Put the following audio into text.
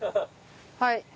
はい。